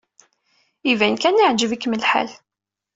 Iban kan yeɛjeb-ikem lḥal.